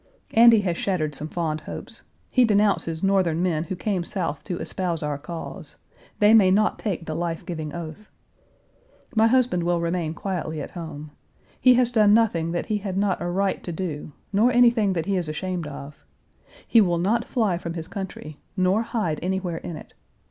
Andy has shattered some fond hopes. He denounces Northern men who came South to espouse our cause. They may not take the life giving oath. My husband will remain quietly at home. He has done nothing that he had not a right to do, nor anything that he is ashamed of. He will not fly from his country, nor hide anywhere in it.